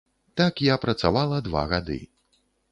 Так я працавала два гады.